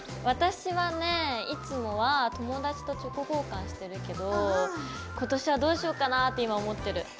私はねいつもは友達とチョコ交換してるけど今年はどうしようかなって今思ってる。